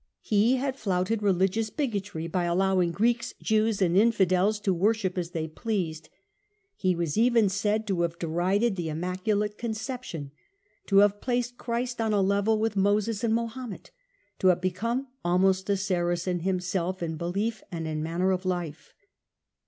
He had flouted religious bigotry by allowing Greeks, Jews and Infidels to worship as they pleased. He was even said to have derided the Immaculate Con ception, to have placed Christ on a level with Moses and Mahomet, to have become almost a Saracen himself in belief and in manner of life.